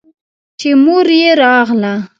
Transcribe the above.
چې مور يې راغله.